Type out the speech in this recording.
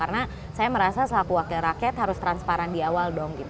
karena saya merasa selaku wakil rakyat harus transparan di awal dong